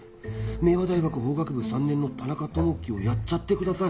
明和大学法学部３年の田中朋樹を殺っちゃってください！」